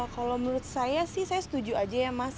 kalau menurut saya sih saya setuju aja ya mas